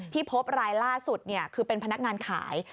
พบรายล่าสุดคือเป็นพนักงานขาย